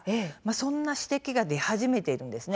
そんな指摘が出始めているんです。